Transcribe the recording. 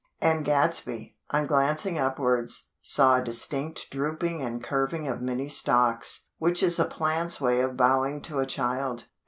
_" and Gadsby, on glancing upwards, saw a distinct drooping and curving of many stalks; which is a plant's way of bowing to a child.